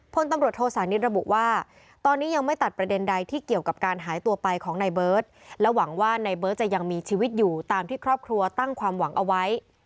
พลตำรวจโทษานิทระบุว่าตอนนี้ยังไม่ตัดประเด็นใดที่เกี่ยวกับการหายตัวไปของนายเบิร์ตและหวังว่านายเบิร์ตจะยังมีชีวิตอยู่ตามที่ครอบครัวตั้งความหวังเอาไว้